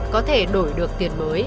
có thể đổi được tiền mới